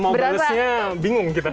mau balesnya bingung kita